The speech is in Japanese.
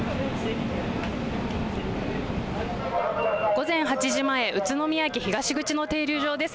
午前８時前宇都宮駅東口の停留所です。